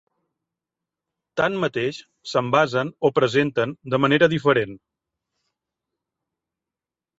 Tanmateix, s'envasen o presenten de manera diferent.